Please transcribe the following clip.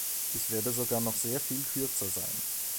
Ich werde sogar noch sehr viel kürzer sein.